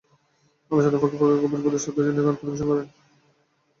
আলোচনার ফাঁকে ফাঁকে কবির প্রতি শ্রদ্ধা জানিয়ে গান পরিবেশন করেন শিল্পীরা।